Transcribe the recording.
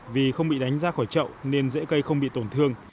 vì không bị đánh ra khỏi chậu nên dễ cây không bị tổn thương